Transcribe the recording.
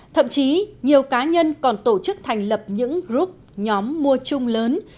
thậm chí nhiều cá nhân còn tổ chức thành lập những group nhóm mua chung lớn